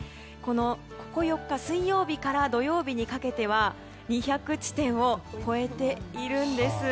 ここ４日水曜日から土曜日にかけては２００地点を超えているんです。